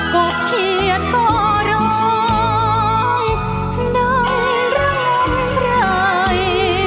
โปรดติดตามต่อไป